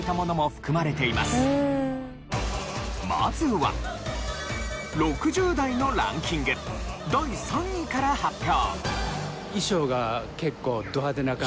まずは６０代のランキング第３位から発表。